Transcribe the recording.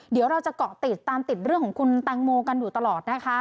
เดี๋ยวเราจะเกาะติดตามติดเรื่องของคุณแตงโมกันอยู่ตลอดนะคะ